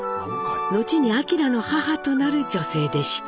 のちに明の母となる女性でした。